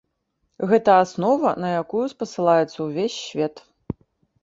Гэта аснова, на якую спасылаецца ўвесь свет.